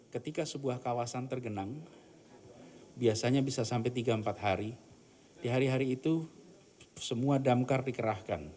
ketika sebuah kawasan tergenang biasanya bisa sampai tiga empat hari di hari hari itu semua damkar dikerahkan